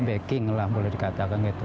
backing lah boleh dikatakan gitu